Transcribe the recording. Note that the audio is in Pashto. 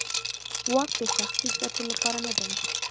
واک د شخصي ګټو لپاره نه دی.